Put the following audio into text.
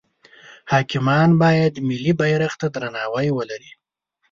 حاکمان باید ملی بیرغ ته درناوی ولری.